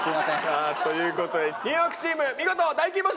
さあという事でニューヨークチーム見事大金星！